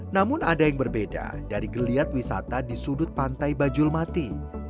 namun ada yang berbeda dari geliat wisata di sudut pantai bajulmati